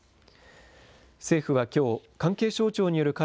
政府はきょう、関係省庁による会